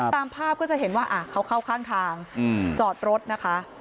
ตามภาพก็จะเห็นว่าเขาเข้าข้างทางจอดรถนะคะ